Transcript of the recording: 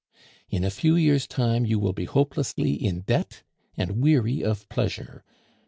In a few years' time you will be hopelessly in debt and weary of pleasure.